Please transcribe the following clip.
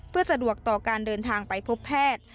เพื่อสะดวกต่อการเดินทางไปพบแพทย์